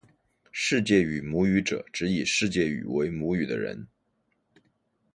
世界语母语者指以世界语为母语的人。